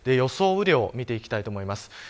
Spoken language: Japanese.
雨量を見ていきたいと思います。